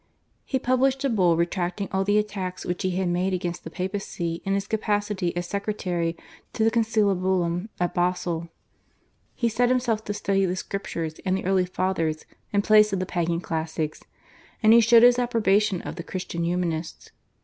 He published a Bull retracting all the attacks which he had made against the Papacy in his capacity as secretary to the /Concilabulum/ at Basle. He set himself to study the Scriptures and the early Fathers in place of the Pagan classics, and he showed his approbation of the Christian Humanists.